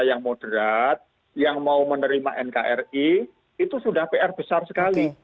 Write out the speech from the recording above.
yang moderat yang mau menerima nkri itu sudah pr besar sekali